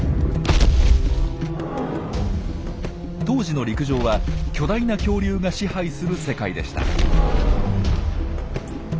当時の陸上は巨大な恐竜が支配する世界でした。